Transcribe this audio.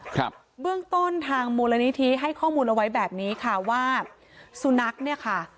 ครับเบื้องต้นทางมูลนิธิให้ข้อมูลเอาไว้แบบนี้ค่ะว่าสุนัขเนี่ยค่ะ